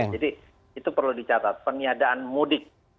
jadi itu perlu dicatat peniadaan mudik